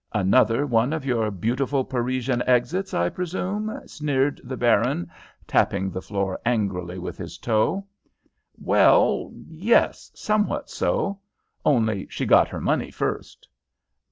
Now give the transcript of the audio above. "Another one of your beautiful Parisian exits, I presume?" sneered the baron, tapping the floor angrily with his toe. "Well, yes, somewhat so; only she got her money first."